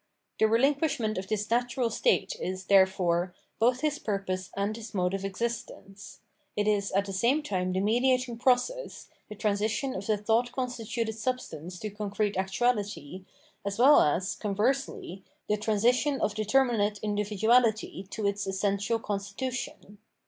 The rehnquishment of this natural state is, therefore, both his purpose and his mode of existence ; it is at the same time the mediating process, the transi tion of the thought constituted substance to concrete actuahty, as well as, conversely, the transition of deter minate individuahty to its essential constitution.